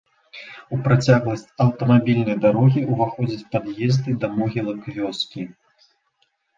У працягласць аўтамабільнай дарогі ўваходзяць пад'езды да могілак вёскі.